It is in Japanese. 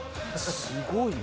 すごいね！